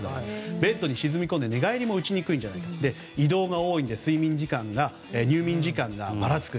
ベッドに沈み込んで寝返りも打ちにくいんじゃないか移動が多いので入眠時間がばらつく。